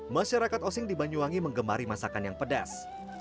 masyarakat osing di banyuwangi mengemari masakan yang pedas